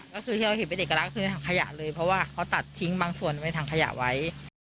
ก็คือที่เราเห็นเป็นเอกลักษณ์คือในถังขยะเลยเพราะว่าเขาตัดทิ้งบางส่วนไว้ถังขยะไว้